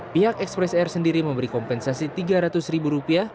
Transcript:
pihak ekspres air sendiri memberi kompensasi tiga ratus ribu rupiah